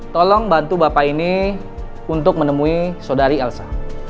tolong bantu bapak ini untuk menemui saudari elsa